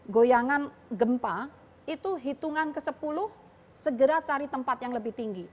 goyangan gempa itu hitungan ke sepuluh segera cari tempat yang lebih tinggi